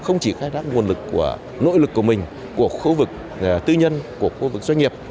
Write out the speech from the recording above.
không chỉ khai thác nguồn lực của nỗ lực của mình của khu vực tư nhân của khu vực doanh nghiệp